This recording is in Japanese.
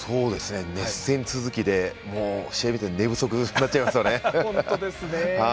熱戦続きで、試合を見て寝不足になっちゃいますよね。